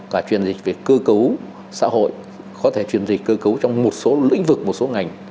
và chuyển dịch về cơ cấu xã hội có thể chuyển dịch cơ cấu trong một số lĩnh vực một số ngành